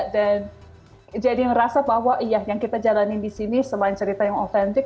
dan jadi merasa bahwa iya yang kita jalanin di sini selain cerita yang authentic